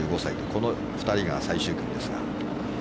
この２人が最終組です。